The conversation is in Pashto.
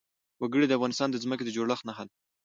وګړي د افغانستان د ځمکې د جوړښت نښه ده.